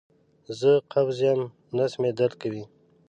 زه قبض یم نس مې درد کوي